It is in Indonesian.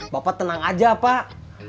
bapak tenang aja pak